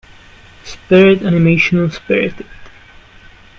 Spirit animation Spirited.